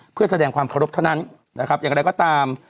เพื่อแสดงความเคารพเท่านั้นนะครับอย่างไรก็ตาม